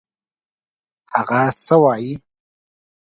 هغه څه وايي.